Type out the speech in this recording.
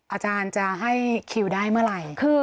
อาจารย์จะให้คิวได้เมื่อไหร่